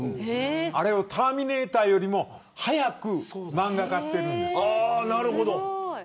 あれをターミネーターよりも早く漫画化しているんです。